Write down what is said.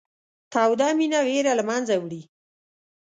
توده مینه وېره له منځه وړي.